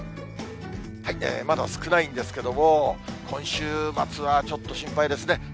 まだ少ないんですけれども、今週末はちょっと心配ですね。